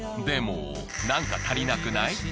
でも何か足りなくない？